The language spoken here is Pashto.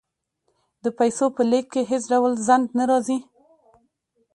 د پیسو په لیږد کې هیڅ ډول ځنډ نه راځي.